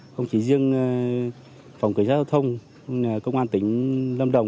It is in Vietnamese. không chỉ riêng phòng cửa giao thông công an tỉnh lâm đồng